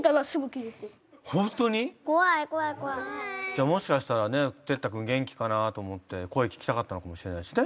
じゃあもしかしたらね鉄太君元気かなと思って声聞きたかったのかもしれないしね。